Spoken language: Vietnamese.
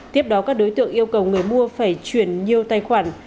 tiếp đó các đối tượng yêu cầu người mua phải chuyển nhiều tài khoản